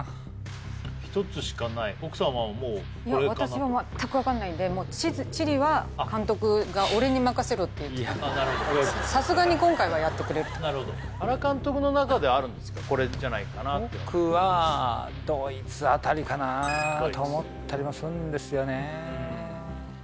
１つしかない奥様はもういや私は全く分かんないんで地理は監督が俺に任せろってさすがに今回はやってくれるとなるほど原監督の中ではあるんですかこれじゃないかなって僕はドイツあたりかなと思ったりもすんですよね